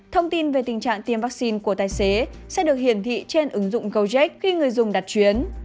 thông tin về tình trạng tiêm vaccine của tài xế sẽ được hiển thị trên ứng dụng gojec khi người dùng đặt chuyến